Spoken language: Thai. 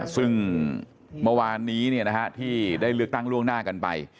ซึ่งเมื่อวานนี้ที่ได้เลือกตั้งล่วงหน้ากันไป